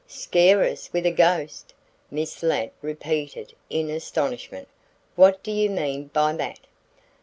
"Scare us with a ghost!" Miss Ladd repeated in astonishment. "What do you mean by that?"